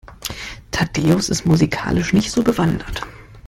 Thaddäus ist musikalisch nicht so bewandert.